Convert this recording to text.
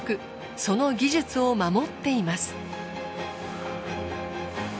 その技術を守っています。